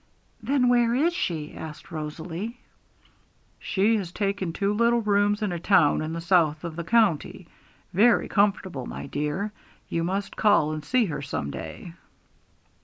"' 'Then where is she?' asked Rosalie. 'She has taken two little rooms in a town in the south of the county; very comfortable, my dear. You must call and see her some day.'